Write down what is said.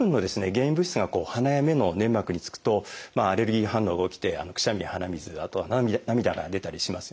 原因物質が鼻や目の粘膜につくとアレルギー反応が起きてくしゃみや鼻水あとは涙が出たりしますよね。